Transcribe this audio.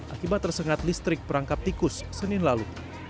akibat tersengat listrik perangkap tikus senin lalu